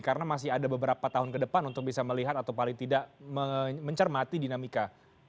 karena masih ada beberapa tahun ke depan untuk bisa melihat atau paling tidak mencermati dinamika